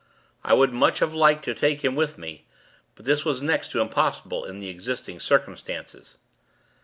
I would much have liked to take him with me; but this was next to impossible, in the existing circumstances.